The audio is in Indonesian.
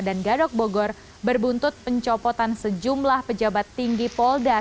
gadok bogor berbuntut pencopotan sejumlah pejabat tinggi polda